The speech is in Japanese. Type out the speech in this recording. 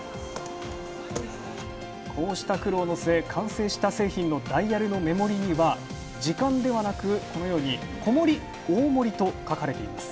こうした苦労の末、完成した製品のダイヤルの目盛りには時間ではなく、このように小盛、大盛と書かれています